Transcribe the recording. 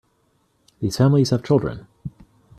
These families have children.